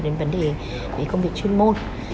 đến vấn đề công việc chuyên môn